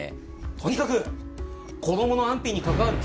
とにかく子供の安否に関わる緊急事態だ。